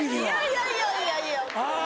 いやいやいやいやもう。